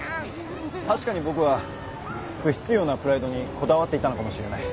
確かに僕は不必要なプライドにこだわっていたのかもしれない。